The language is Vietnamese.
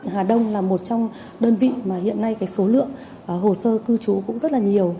hà đông là một trong đơn vị mà hiện nay số lượng hồ sơ cư trú cũng rất là nhiều